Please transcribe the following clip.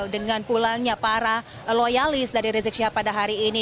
dengan pulangnya para loyalis dari rizik syihab pada hari ini